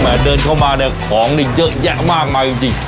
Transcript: เดินเข้ามาเนี่ยของนี่เยอะแยะมากมายจริง